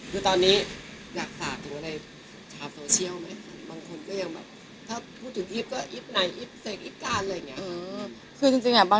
คือตอนนี้อยากสามารถกรู้อะไรชามโซเชียลไหมคะ